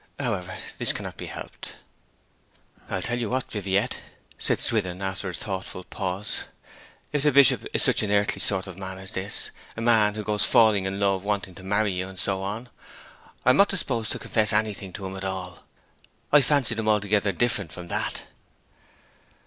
However, this cannot be helped.' 'I tell you what, Viviette,' said Swithin, after a thoughtful pause, 'if the Bishop is such an earthly sort of man as this, a man who goes falling in love, and wanting to marry you, and so on, I am not disposed to confess anything to him at all. I fancied him altogether different from that.'